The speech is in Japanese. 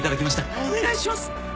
お願いします！